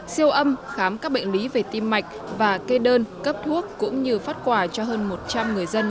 siêu âm khám các bệnh lý về tim mạch và kê đơn cấp thuốc cũng như phát quà cho hơn một trăm linh người dân